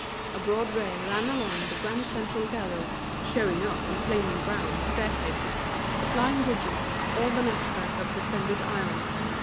A broad ray ran along the grand central gallery, showing up on a flaming ground the staircases, the flying bridges, all the network of suspended iron.